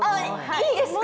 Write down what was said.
いいですか？